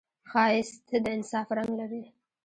ښایست د انصاف رنګ لري